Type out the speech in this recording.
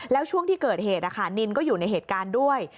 แล้วช่วงที่เกิดเหตุนินก็อยู่ในเหตุการณ์ด้วย